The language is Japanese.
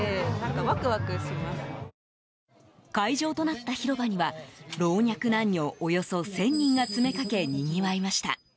会場となった広場には老若男女およそ１０００人が詰めかけにぎわいました。